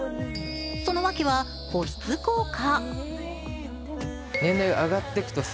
その訳は保湿効果。